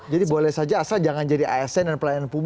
jadi boleh saja asal jangan jadi asn dan pelayanan publik